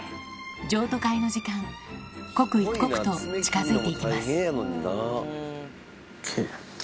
譲渡会の時間刻一刻と近づいていきますＯＫ。